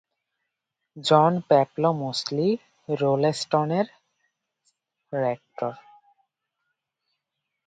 জন Peploe Mosley, রোলেস্টনের rector.